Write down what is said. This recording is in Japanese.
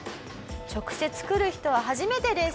「直接来る人は初めてです」。